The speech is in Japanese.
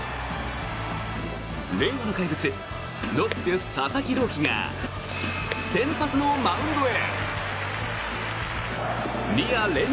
令和の怪物ロッテ、佐々木朗希が先発のマウンドへ。